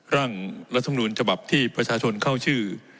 ร่างรัฐมนูลฉบับที่ประชาชนเข้าชื่อ